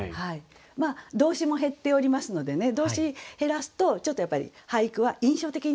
動詞も減っておりますのでね動詞減らすとちょっとやっぱり俳句は印象的になるんですね。